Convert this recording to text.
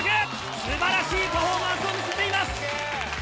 素晴らしいパフォーマンスを見せています！